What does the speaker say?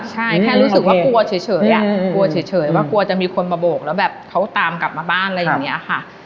ใช่แค่รู้สึกว่ากลัวเฉยกลัวเฉยว่ากลัวจะมีคนมาโบกแล้วแบบเขาตามกลับมาบ้านอะไรอย่างนี้ค่ะ